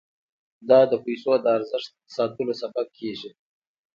دا د پیسو د ارزښت ساتلو سبب کیږي.